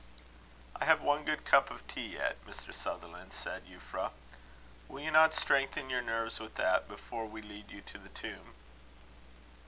"I have one good cup of tea yet, Mr. Sutherland," said Euphra. "Will you not strengthen your nerves with that, before we lead you to the tomb?"